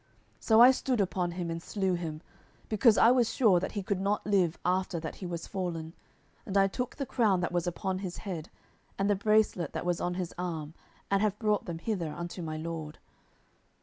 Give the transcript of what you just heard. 10:001:010 So I stood upon him, and slew him, because I was sure that he could not live after that he was fallen: and I took the crown that was upon his head, and the bracelet that was on his arm, and have brought them hither unto my lord.